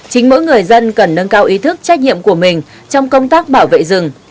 chính mỗi người dân cần nâng cao ý thức trách nhiệm của mình trong công tác bảo vệ rừng